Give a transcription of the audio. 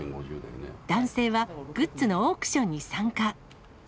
男性はグッズのオークションに参加。